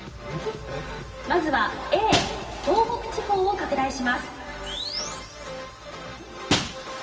まずはＡ東北地方を拡大します。